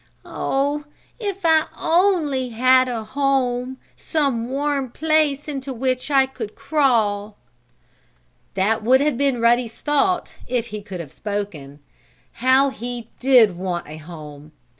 "Oh, if I only had a home some warm place into which I could crawl!" That would have been Ruddy's thought if he could have spoken. How he did want a home!